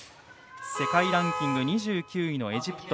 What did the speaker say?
世界ランキング２９位のエジプト。